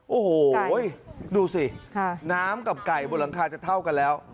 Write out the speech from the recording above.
โอ้โหดูสิน้ำกับไก่บนหลังคาจะเท่ากันแล้ว